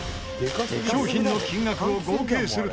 商品の金額を合計すると。